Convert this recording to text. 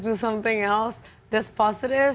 lakukan sesuatu yang positif